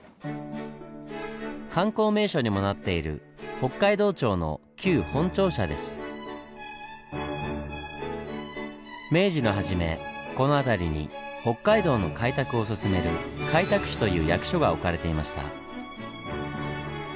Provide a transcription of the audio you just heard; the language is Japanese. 観光名所にもなっている明治の初めこの辺りに北海道の開拓を進める「開拓使」という役所が置かれていました。